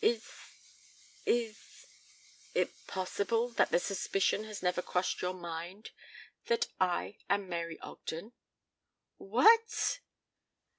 "Is is it possible that the suspicion has never crossed your mind that I am Mary Ogden?" "Wh a at!"